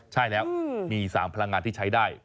ใช่แล้วมี๓พลังงานที่ใช้ได้